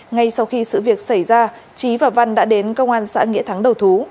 ngay sau khi sự việc xảy ra trí và văn đã đến công an xã nghĩa thắng đầu thú